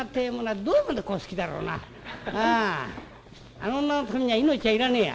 あの女のためなら命はいらねえや」。